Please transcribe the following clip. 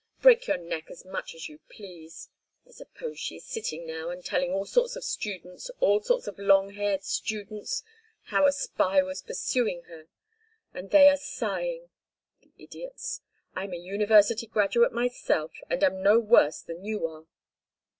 Break your neck as much as you please. I suppose she is sitting now and telling all sorts of students, all sorts of long haired students, how a spy was pursuing her. And they are sighing. The idiots! I am a university graduate myself, and am no worse than you are."